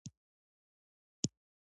لرګی د استاد نجار افتخار دی.